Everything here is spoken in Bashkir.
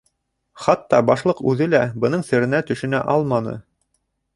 Хатта Башлыҡ үҙе лә бының серенә төшөнә алманы.